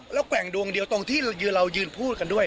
แล้วแกว่งดวงเดียวตรงที่เรายืนพูดกันด้วย